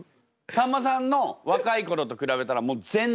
さんまさんの若い頃と比べたらもう全然？